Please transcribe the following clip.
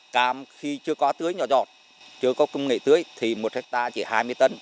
cam khi chưa có tưới nhỏ giọt chưa có công nghệ tưới thì một hectare chỉ hai mươi tấn